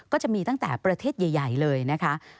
ก็จะมีตั้งแต่ประเทศใหญ่เลยนะคะ